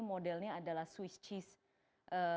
modelnya adalah swiss cheese